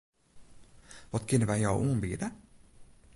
Wat kinne wy jo oanbiede?